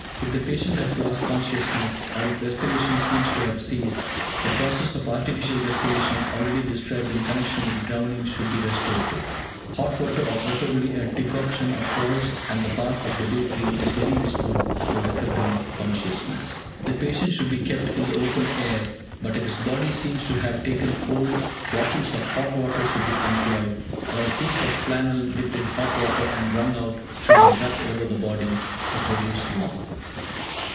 If the patient has lost consciousness, or if respiration seems to have ceased, the process of artificial respiration already described in connection with drowning should be resorted to. Hot water, or preferably a decoction of cloves and the bark of the bay tree, is very useful for recovering consciousness. The patient should be kept in the open air, but if his body seems to have taken cold, bottles of hot water should be employed, or a piece of flannel dipped in hot water and wrung out should be rubbed over the body, to produce warmth.